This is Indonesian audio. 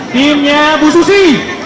timnya bu susi